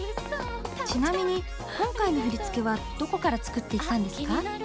ちなみに、今回の振り付けはどこから作っていったんですか。